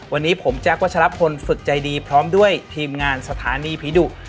วันนี้ผมแจ๊ควัชลพลฝึกใจดีพร้อมด้วยทีมงานสถานีผีดุ